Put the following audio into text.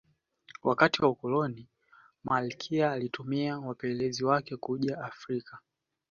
wakati wa ukoloni malkia alituma wapelelezi wake kuja afrika